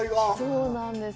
そうなんです。